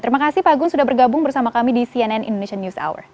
terima kasih pak gun sudah bergabung bersama kami di cnn indonesian news hour